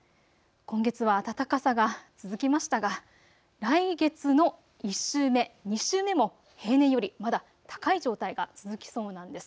今月は暖かさが続きましたが来月の１週目、２週目も平年よりまだ高い状態が続きそうなんです。